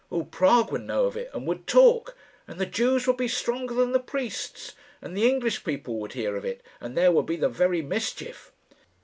All Prague would know of it, and would talk; and the Jews would be stronger than the priests; and the English people would hear of it, and there would be the very mischief."